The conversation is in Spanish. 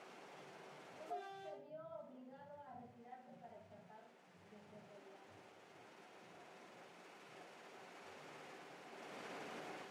Murat se vio obligado a retirarse para escapar de ser rodeado.